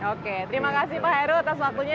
oke terima kasih pak heru atas waktunya